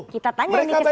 kita tanya ini ke sekarang